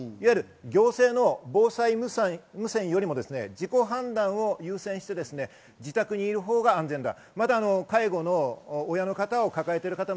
行政の防災無線よりも自己判断を優先して、自宅にいるほうが安全だ。